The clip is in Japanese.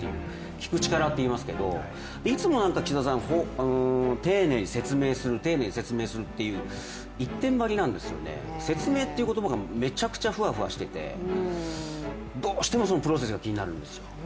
聞く力って言いますけど、いつも岸田さん、丁寧に説明する丁寧に説明するって一点張りなんですよね、説明って言葉がめちゃくちゃふわふわしててどうしても、そのプロセスが気になるんですよ。